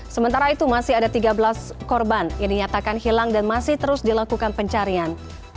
sementara itu masih ada tiga belas korban yang dinyatakan hilang dan masih terus dilakukan pencarian